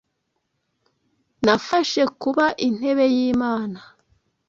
Nafashe kuba Intebe y'Imana